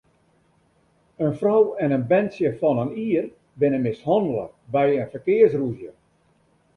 In frou en in berntsje fan in jier binne mishannele by in ferkearsrûzje.